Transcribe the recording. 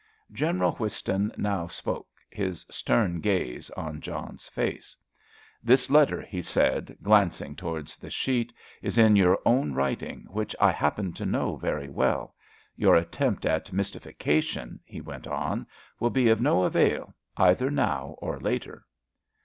General Whiston now spoke, his stern gaze on John's face. "This letter," he said, glancing towards the sheet, "is in your own writing, which I happen to know very well. Your attempt at mystification," he went on, "will be of no avail, either now or later."